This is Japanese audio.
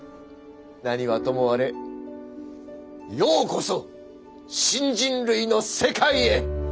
何はともあれようこそ新人類の世界へ！